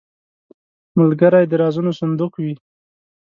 ملګری د رازونو صندوق وي